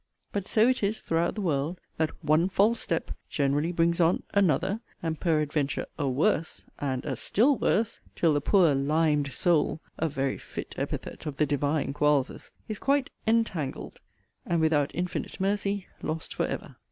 But so it is throughout the world, that 'one false step' generally brings on 'another'; and peradventure 'a worse,' and 'a still worse'; till the poor 'limed soul' (a very fit epithet of the Divine Quarles's!) is quite 'entangled,' and (without infinite mercy) lost for ever.